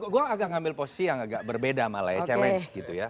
gue agak ngambil posisi yang agak berbeda malah ya challenge gitu ya